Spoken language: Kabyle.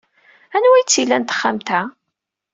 Anwa ay tt-ilan txatemt-a?